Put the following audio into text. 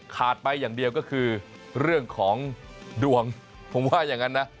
ขาดไปอย่างเดียวก็คือเรื่องของดวง